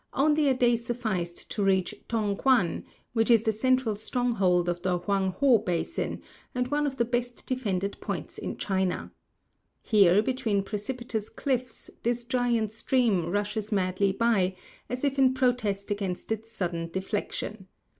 Only a day sufficed to reach Tong quan, which is the central stronghold of the Hoang ho basin, and one of the best defended points in China. Here, between precipitous cliffs, this giant stream rushes madly by, as if in protest against its sudden deflection.